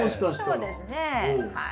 そうですねはい。